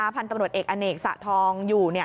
พันธุ์ตำรวจเอกอเนกสะทองอยู่